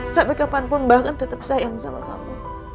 sampai kapanpun mbak akan tetap sayang sama kamu